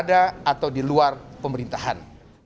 di dalam atau di luar pemerintahan